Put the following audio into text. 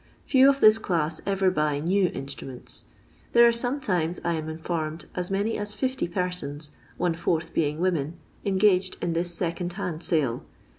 Few of this class ever buy new instruments. There are sometimes, I am informed, as many as 50 persons, one fourth being women, engaged in this second hand sale.